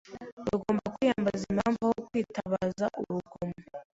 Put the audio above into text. Tugomba kwiyambaza impamvu aho kwitabaza urugomo.